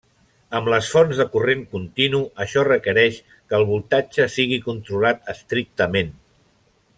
Amb les fonts de corrent continu, això requereix que el voltatge sigui controlat estrictament.